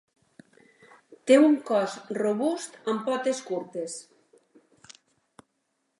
Té un cos robust amb potes curtes.